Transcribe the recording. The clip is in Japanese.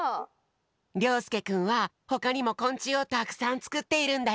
りょうすけくんはほかにもこんちゅうをたくさんつくっているんだよ。